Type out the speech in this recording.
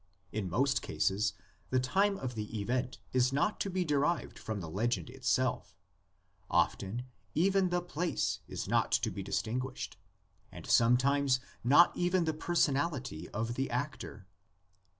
In most cases the time of the event is not to be derived from the legend itself; often even the place is not to be distin guished, and sometimes not even the personality of the actor.